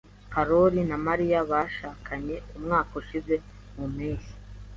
Karori na Mariya bashakanye umwaka ushize mu mpeshyi.